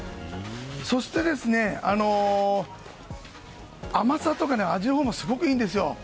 そして甘さとか味のほうがすごくいいんですよ。